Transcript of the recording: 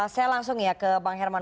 saya langsung ya ke bang herman